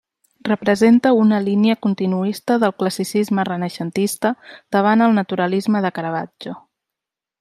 Representa una línia continuista del classicisme renaixentista davant el naturalisme de Caravaggio.